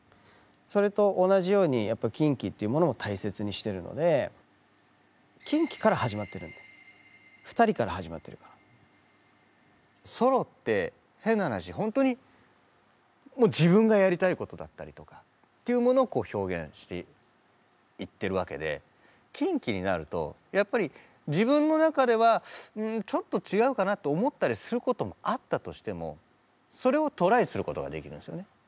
それと同じようにＫｉｎＫｉっていうものも大切にしてるのでＫｉｎＫｉから始まってるんでソロって変な話ほんとに自分がやりたいことだったりとかっていうものを表現していってるわけでＫｉｎＫｉになるとやっぱり自分の中ではんちょっと違うかなと思ったりすることもあったとしてもそれをトライすることができるんですよね。